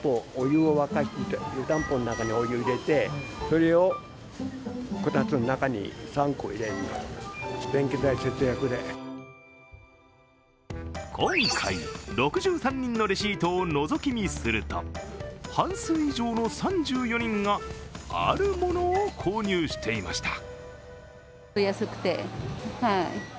その使い道は今回、６３人のレシートをのぞき見すると、半数以上の３４人があるものを購入していました。